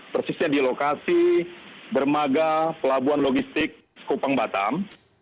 persisnya di lokasi dermaga pelabuhan logistik kupang batam